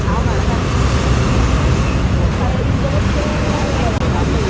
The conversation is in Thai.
สุดท้ายเท่าไหร่สุดท้ายเท่าไหร่